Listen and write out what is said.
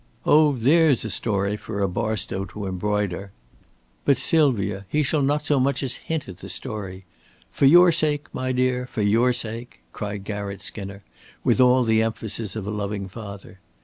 Oh, there's a story for a Barstow to embroider! But, Sylvia, he shall not so much as hint at the story. For your sake, my dear, for your sake," cried Garratt Skinner, with all the emphasis of a loving father.